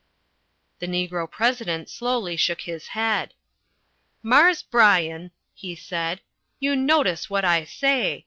The Negro President slowly shook his head. "Marse Bryan," he said, "you notice what I say.